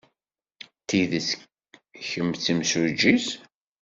D tidet kemm d timsujjit?